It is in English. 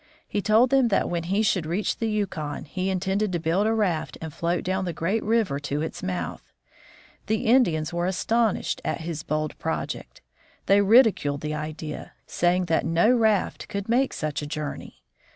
He told them that when he should reach the Yukon, he intended to build a raft and float down the great river to its mouth. The Indians were astonished at this bold project. They ridiculed the idea, saying that no raft could make such a journey.